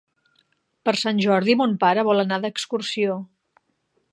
Per Sant Jordi mon pare vol anar d'excursió.